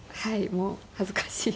もう恥ずかしい。